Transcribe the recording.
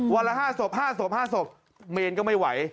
วันละ๕สบ๕สอบ๕สอบเมนก็ไม่ไหว